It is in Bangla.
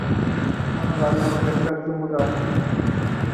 ঘুমানোর আগে আমাকে একটা চুমু দাও।